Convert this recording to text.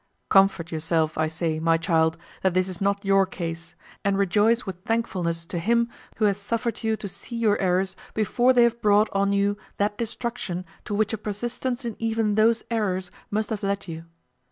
Comfort yourself, I say, my child, that this is not your case; and rejoice with thankfulness to him who hath suffered you to see your errors, before they have brought on you that destruction to which a persistance in even those errors must have led you.